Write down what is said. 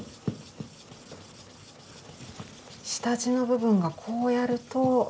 下地の部分がこうやると見えてくる。